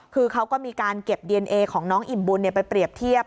คือเขาก็มีการเก็บดีเอนเอของน้องอิ่มบุญไปเปรียบเทียบ